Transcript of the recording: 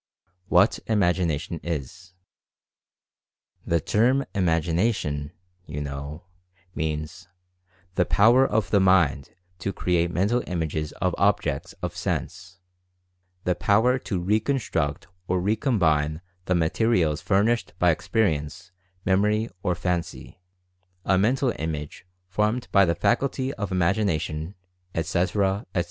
WHAT IMAGINATION IS. The term "Imagination," you know, means "The power of the mind to create mental images of objects of sense; the power to reconstruct or recombine the materials furnished by experience, memory or fancy; a mental image formed by the faculty of imagina tion," etc., etc.